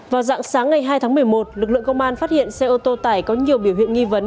vào dạng sáng ngày hai tháng một mươi một lực lượng công an phát hiện xe ô tô tải có nhiều biểu hiện nghi vấn